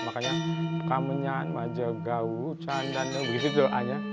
makanya kemenyan majel gauchan dan begitu saja